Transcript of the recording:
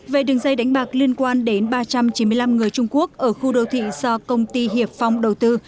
về đường dây đánh bạc liên quan đến ba trăm chín mươi năm người trung quốc ở khu đô thị do công ty hiệp phong đầu tư